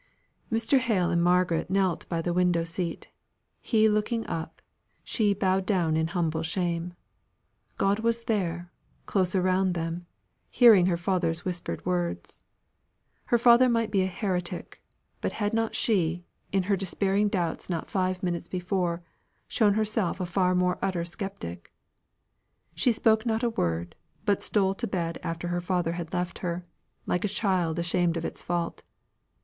Mr. Hale and Margaret knelt by the window seat he looking up, she bowed down in humble shame. God was there, close around them, hearing her father's whispered words. Her father might be a heretic; but had not she, in her despairing doubts not five minutes before, shown herself a far more utter sceptic? She spoke not a word, but stole to bed after her father had left her, like a child ashamed of its fault.